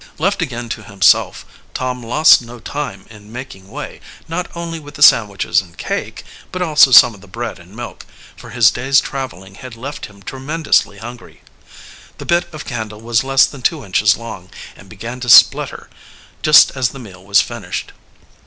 Left again to himself, Tom lost no time in making way, not only with the sandwiches and cake, but also some of the bread and milk, for his day's traveling had left him tremendously hungry. The bit of candle was less than two inches long, and began to splutter just as the meal was finished.